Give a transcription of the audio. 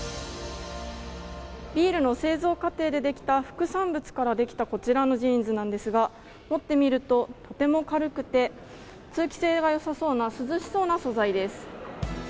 ビールの製造過程でできた副産物からできたこちらのジーンズなんですが持ってみるととても軽くて通気性がよさそうな涼しそうな素材です。